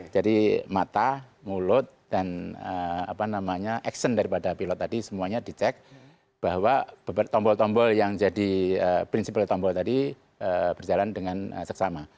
jadi mata mulut dan action daripada pilot tadi semuanya dicek bahwa tombol tombol yang jadi prinsip oleh tombol tadi berjalan dengan seksama